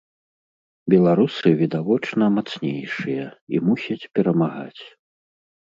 Беларусы, відавочна, мацнейшыя, і мусяць перамагаць.